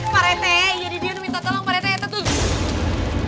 pak rete jadi dia yang minta tolong pak rete ayat itu tuh